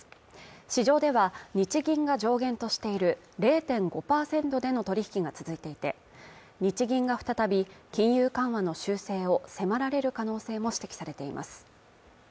市場では日銀が上限としている０．５％での取引が続いていて日銀が再び金融緩和の修正を迫られる可能性も指摘されています